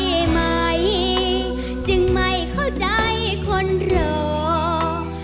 ไม่มายจึงไม่เข้าใจคนเรา